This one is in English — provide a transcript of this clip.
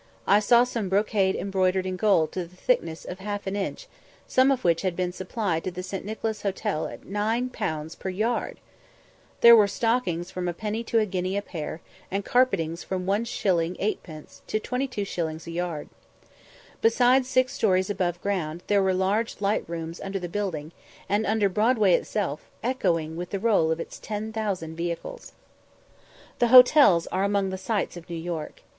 I saw some brocade embroidered in gold to the thickness of half an inch, some of which had been supplied to the St. Nicholas Hotel at 9_l._ per yard! There were stockings from a penny to a guinea a pair, and carpetings from 1_s._ 8_d._ to 22_s._ a yard. Besides six stories above ground, there were large light rooms under the building, and under Broadway itself, echoing with the roll of its 10,000 vehicles. The hotels are among the sights of New York.